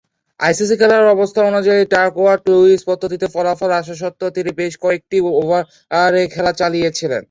আইসিসি’র খেলার অবস্থা অনুযায়ী ডাকওয়ার্থ-লুইস পদ্ধতিতে ফলাফল আসা স্বত্ত্বেও তিনি বেশ কয়েকটি ওভারের খেলা চালিয়েছিলেন।